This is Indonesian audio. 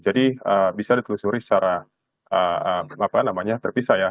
jadi bisa ditelusuri secara terpisah ya